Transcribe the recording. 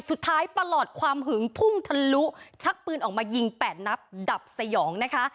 ประหลอดความหึงพุ่งทะลุชักปืนออกมายิงแปดนัดดับสยองนะคะ